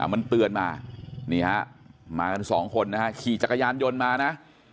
มันเตือนมานี่ฮะมากันสองคนนะฮะขี่จักรยานยนต์มานะ